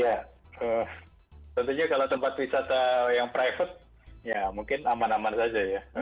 ya tentunya kalau tempat wisata yang private ya mungkin aman aman saja ya